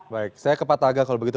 baik saya ke pak taga kalau begitu